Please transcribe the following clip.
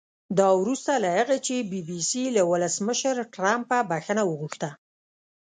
دا وروسته له هغه چې بي بي سي له ولسمشر ټرمپه بښنه وغوښته